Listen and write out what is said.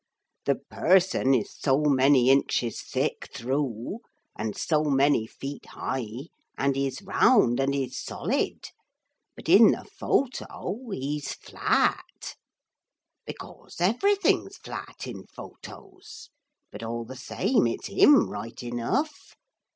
The person is so many inches thick through and so many feet high and he's round and he's solid. But in the photo he's flat. Because everything's flat in photos. But all the same it's him right enough.